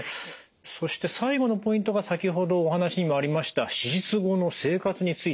そして最後のポイントが先ほどお話にもありました手術後の生活についてということですか。